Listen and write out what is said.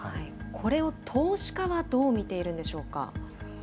これを投資家はどう見ているんでしょうか。